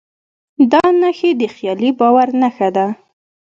دا نښې د خیالي باور نښه ده.